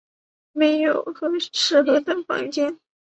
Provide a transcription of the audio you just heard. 没有适合的房间